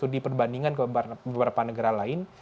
diperbandingkan ke beberapa negara lain